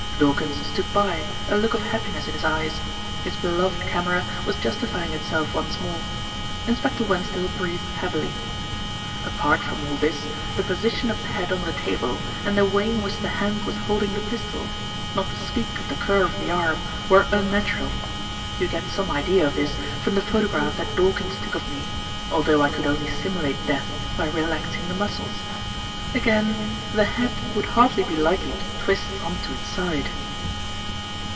Dawkins stood by, a look of happiness in his eyes. His beloved camera was justifying itself once more. Inspector Wensdale breathed heavily. "Apart from all this, the position of the head on the table, and the way in which the hand was holding the pistol, not to speak of the curve of the arm, were unnatural. You get some idea of this from the photograph that Dawkins took of me, although I could only simulate death by relaxing the muscles. Again, the head would hardly be likely to twist on to its side."